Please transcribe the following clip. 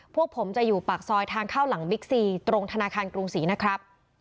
พวกผมจะอยู่ปากซอยทางเข้าหลังบิ๊กซีตรงธนาคารกรุงศรีนะครับ